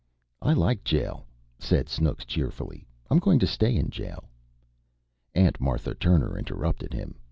"I like jail," said Snooks cheerfully. "I'm going to stay in jail." Aunt Martha Turner interrupted him.